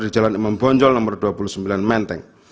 di jalan imam bonjol nomor dua puluh sembilan menteng